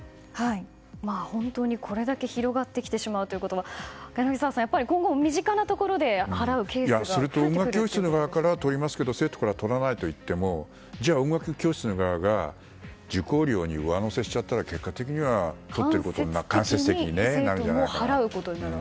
本当にこれだけ広がってきてしまうということは柳澤さん、やっぱり今後も身近なところで音楽教室からはとりますけど生徒からとらないといってもじゃあ音楽教室側が受講料に上乗せしちゃったら間接的に払うことになる。